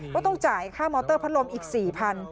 ต้องจ่ายค่ามอเตอร์พัดลมอีก๔๐๐บาท